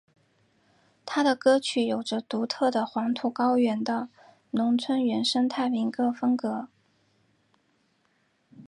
他的歌曲有着独特的黄土高原的农村原生态民歌风格。